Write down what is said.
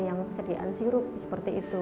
yang kediaan sirup seperti itu